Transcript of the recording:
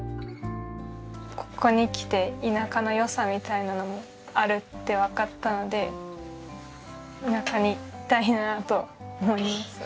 ここに来て田舎の良さみたいなのもあるってわかったので田舎にいたいなと思います。